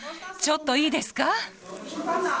ちょっといいですか？